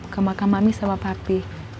ke makam mami sama pati